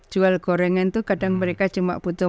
jual gorengan itu kadang mereka cuma butuh